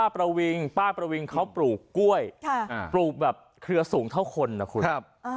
ประวิงป้าประวิงเขาปลูกกล้วยปลูกแบบเครือสูงเท่าคนนะคุณ